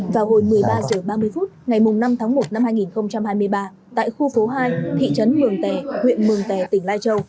vào hồi một mươi ba h ba mươi phút ngày năm tháng một năm hai nghìn hai mươi ba tại khu phố hai thị trấn mường tè huyện mường tè tỉnh lai châu